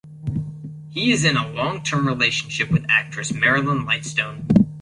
He is in a long-term relationship with actress Marilyn Lightstone.